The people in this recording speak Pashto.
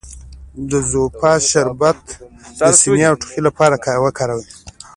د زوفا شربت د سینې او ټوخي لپاره وکاروئ